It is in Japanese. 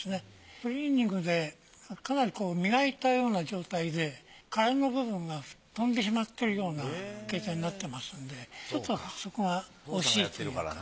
クリーニングでかなり磨いたような状態で殻の部分が飛んでしまってるような形態になってますんでちょっとそこが惜しいというか。